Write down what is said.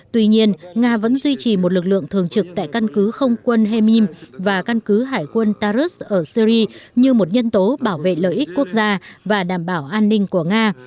tuy nhiên nga vẫn duy trì một lực lượng thường trực tại căn cứ không quân hemim và căn cứ hải quân tarot ở syri như một nhân tố bảo vệ lợi ích quốc gia và đảm bảo an ninh của nga